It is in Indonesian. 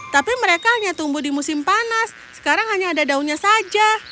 tapi mereka hanya tumbuh di musim panas sekarang hanya ada daunnya saja